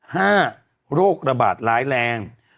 โรคระบาดร้ายแรง